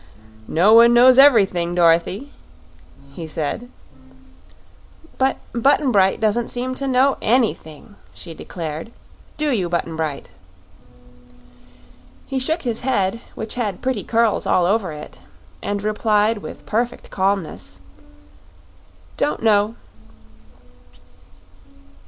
"No one knows everything, Dorothy," he said. "But Button Bright doesn't seem to know ANYthing," she declared. "Do you, Button Bright?" He shook his head, which had pretty curls all over it, and replied with perfect calmness: "Don't know."